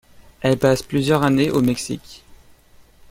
Elle passe plusieurs années au Mexique.